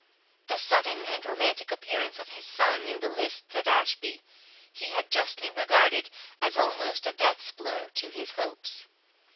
The sudden and romantic appearance of his son in the lists at Ashby, he had justly regarded as almost a death's blow to his hopes.